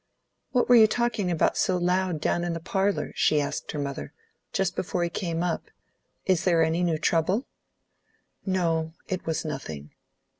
"What were you talking about so loud, down in the parlour," she asked her mother, "just before he came up. Is there any new trouble?" "No; it was nothing."